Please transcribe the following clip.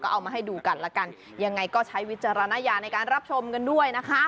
เอามาให้ดูกันละกันยังไงก็ใช้วิจารณญาณในการรับชมกันด้วยนะคะ